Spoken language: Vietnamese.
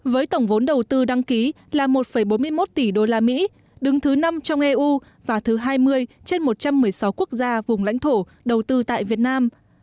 với tổng vốn đầu tư đăng ký là một bốn mươi một tỷ usd đứng thứ năm trong eu và thứ hai mươi trên một trăm một mươi sáu quốc gia vùng lãnh thổ đầu tư tại việt nam